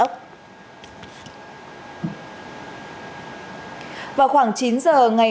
vào khoảng chín giờ ngày hôm nay các bạn có thể nhớ like và đăng ký kênh để ủng hộ kênh của chúng tôi